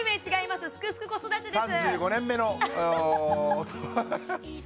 「すくすく子育て」です。